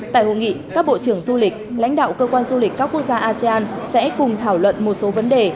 tại hội nghị các bộ trưởng du lịch lãnh đạo cơ quan du lịch các quốc gia asean sẽ cùng thảo luận một số vấn đề